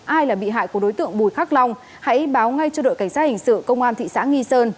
ai là bị hại của đối tượng bùi khắc long hãy báo ngay cho đội cảnh sát hình sự công an thị xã nghi sơn